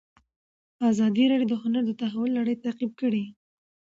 ازادي راډیو د هنر د تحول لړۍ تعقیب کړې.